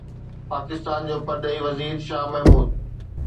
پاڪستان جو پرڏيهي وزير شاهه محمود